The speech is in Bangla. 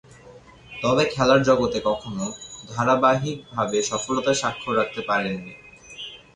তবে, খেলার জগতে কখনো ধারাবাহিকভাবে সফলতার স্বাক্ষর রাখতে পারেননি।